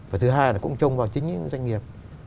và thứ hai là cũng trông vào chính doanh nghiệp